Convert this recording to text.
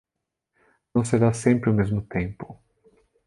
Não será sempre o mesmo tempo.